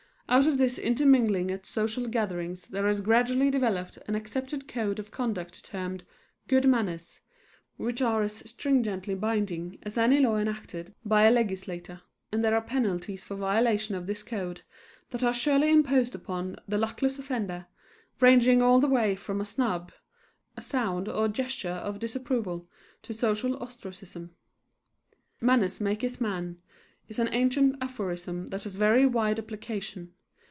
Out of this intermingling at social gatherings there has gradually developed an accepted code of conduct termed "good manners," which are as stringently binding as any law enacted by a legislature. And there are penalties for violation of this code, that are surely imposed upon the luckless offender, ranging all the way from a snub, a sound or gesture of disapproval, to social ostracism. "Manners maketh man" is an ancient aphorism that has a very wide application.